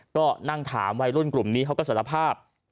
ก็นั่งถามวัยรุ่นกลุ่มนี้เขาก็สารภาพ